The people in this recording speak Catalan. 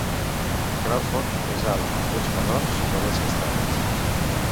Crawford és alt amb ulls marrons i cabells castanys.